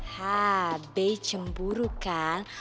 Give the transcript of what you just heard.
hah be cemburu kan